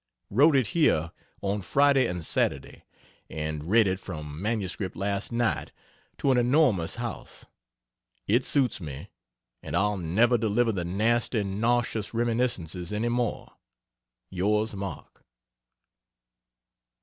Wrote it here on Friday and Saturday, and read it from MS last night to an enormous house. It suits me and I'll never deliver the nasty, nauseous "Reminiscences" any more. Yours, MARK.